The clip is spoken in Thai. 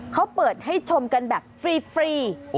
เขาเปิดให้ชมกันแบบฟรี